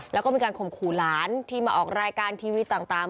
แล้วก็มีการข่มขู่หลานที่มาออกรายการทีวีต่าง